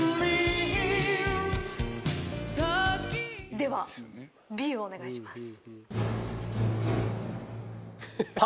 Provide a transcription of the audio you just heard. ではＢをお願いします。